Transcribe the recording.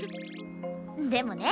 でもね